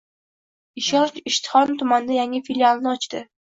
Ishonch Ishtixon tumanida yangi filialini ochdi